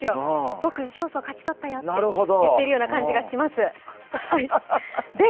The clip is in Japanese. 僕、勝訴、勝ち取ったよと言ってるような気がします。